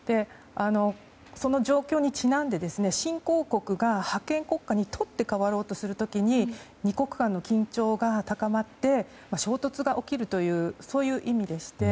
その状況にちなんで新興国が覇権国家にとって代わろうとする時に２国間の緊張が高まって衝突が起きるというそういう意味でして。